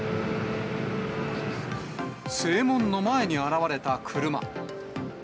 正門の前に現れた車。